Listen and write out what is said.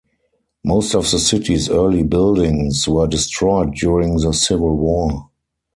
Most of the city's early buildings were destroyed during the Civil War.